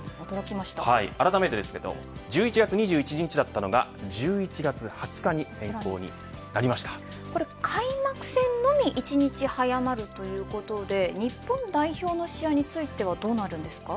あらためて１１月２１日だったのが１１月２０日に開幕戦のみ１日早まるということで日本代表の試合についてはどうなるんですか。